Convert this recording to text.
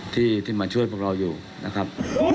ที่มาช่วยพวกเราอยู่นะครับ